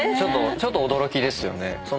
ちょっと驚きですよね。